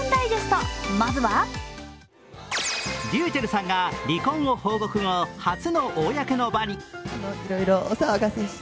ｒｙｕｃｈｅｌｌさんが離婚を報告後初の公の場に。